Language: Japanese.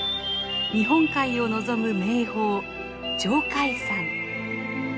日本海をのぞむ名峰鳥海山。